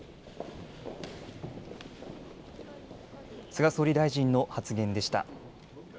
菅総理大臣の発言でした。